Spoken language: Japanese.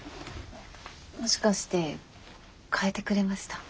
もしかして替えてくれました？